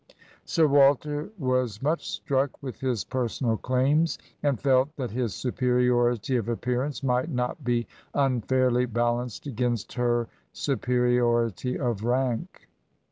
Sir Wal ter "was much struck with his personal claims, and felt that his superiority of appearance might not be un fairly balanced against her superiority of rank.